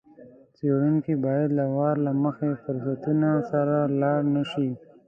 څېړونکی باید له وار له مخکې فرضونو سره لاړ نه شي.